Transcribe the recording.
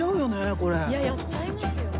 やっちゃいますよ。